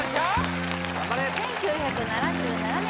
１９７７年